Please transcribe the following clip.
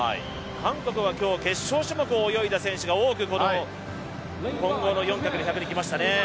韓国は今日決勝種目を泳いだ選手がこの混合４×１００ｍに来ましたね。